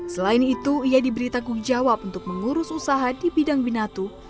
selain itu ia diberi tanggung jawab untuk mengurus usaha di bidang binatu